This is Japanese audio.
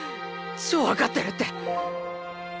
超分かってるって。